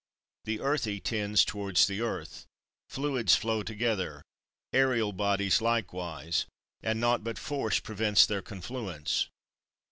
The earthy tends towards the earth; fluids flow together, aerial bodies likewise; and naught but force prevents their confluence.